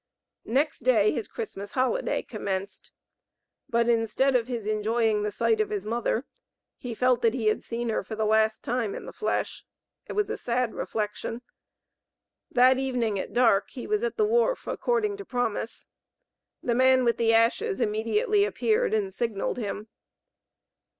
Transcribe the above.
Next day his Christmas holiday commenced, but instead of his enjoying the sight of his mother, he felt that he had seen her for the last time in the flesh. It was a sad reflection. That evening at dark, he was at the wharf, according to promise. The man with the ashes immediately appeared and signalled him.